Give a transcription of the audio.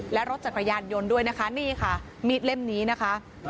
และรถจักรยานยนต์ด้วยนะคะนี่ค่ะมีดเล่มนี้นะคะ